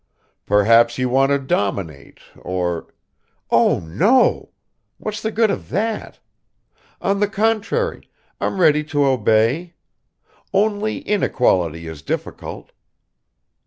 "Perhaps you want to dominate, or ..." "Oh, no! What's the good of that? On the contrary, I'm ready to obey; only inequality is difficult.